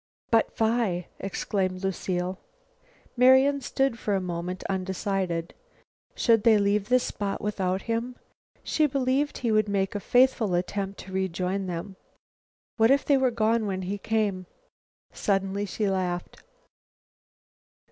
"But Phi?" exclaimed Lucile. Marian stood for a moment undecided. Should they leave this spot without him? She believed he would make a faithful attempt to rejoin them. What if they were gone when he came? Suddenly she laughed.